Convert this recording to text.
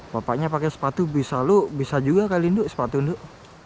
bapaknya pakai sepatu bisa lo bisa juga kali induk sepatu nuk